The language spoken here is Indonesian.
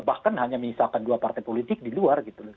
bahkan hanya menyesalkan dua partai politik di luar